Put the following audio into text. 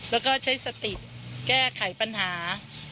แล้วก็ใช้สติแก้ไขปัญหา